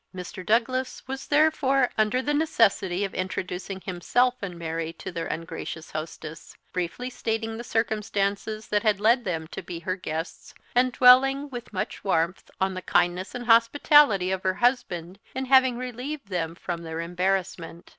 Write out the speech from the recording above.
Mr. Douglas was therefore under the necessity of introducing himself and Mary to their ungracious hostess; briefly stating the circumstances that had led them to be her guests, and dwelling, with much warmth, on the kindness and hospitality of her husband in having relieved them from their embarrassment.